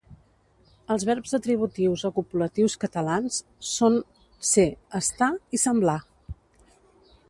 Els verbs atributius o copulatius catalans són ser, estar i semblar.